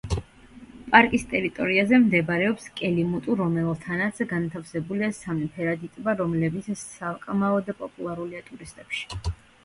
პარკის ტერიტორიაზე მდებარეობს კელიმუტუ, რომელთანაც განთავსებულია სამი ფერადი ტბა, რომლებიც საკმაოდ პოპულარულია ტურისტებში.